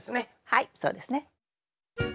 はいそうですね。